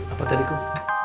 apa tadi kum